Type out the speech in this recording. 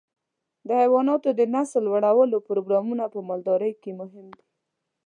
د حيواناتو د نسل لوړولو پروګرامونه په مالدارۍ کې مهم دي.